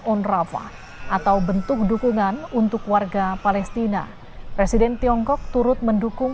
on rafa atau bentuk dukungan untuk warga palestina presiden tiongkok turut mendukung